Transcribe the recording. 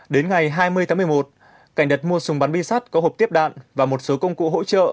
đến ngày hai mươi tháng một mươi một cảnh đặt mua súng bắn bi sắt có hộp tiếp đạn và một số công cụ hỗ trợ